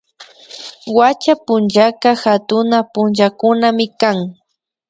Wacha punllaka hatuna punllakunamikan